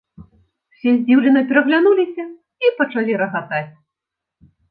Усе здзіўлена пераглянуліся і пачалі рагатаць.